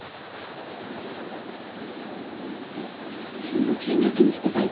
昨日見学に来てた